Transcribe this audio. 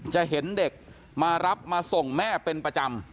จะเห็นเด็กมารับมาส่งแม่เป็นประจำ